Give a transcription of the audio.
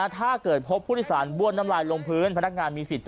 ถ้าเกิดพบผู้ถิศาลบ้วนน้ำลายลงพื้น